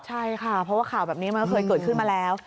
ใช่ค่ะเพราะว่าข่าวแบบนี้มันก็เคยเกิดขึ้นมาแล้ว